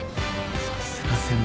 さすが先輩。